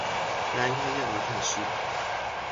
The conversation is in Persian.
رنگهای آتشی